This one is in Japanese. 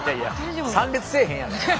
参列せえへんやろ。